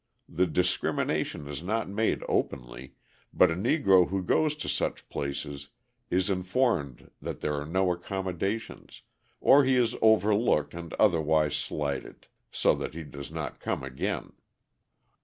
The discrimination is not made openly, but a Negro who goes to such places is informed that there are no accommodations, or he is overlooked and otherwise slighted, so that he does not come again.